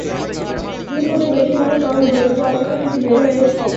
দুই কোটির বেশি মানুষ চরম দরিদ্র অবস্থা থেকে বের হয়ে এসেছে।